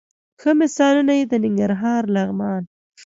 ښه مثالونه یې د ننګرهار، لغمان،